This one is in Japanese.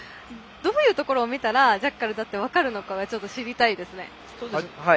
どういうところを見たらジャッカルだって分かるのかが知りたいですね。